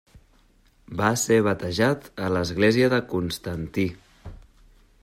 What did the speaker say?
Va ser batejat a l'església de Constantí.